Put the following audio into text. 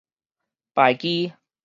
敗機